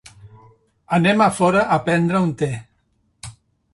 Anem a fora a prendre un té.